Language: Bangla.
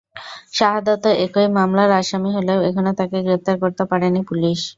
শাহাদাতও একই মামলার আসামি হলেও এখনো তাঁকে গ্রেপ্তার করতে পারেনি পুলিশ।